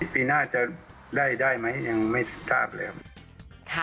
ปีหน้าจะได้ไหมยังไม่ทราบเลยครับ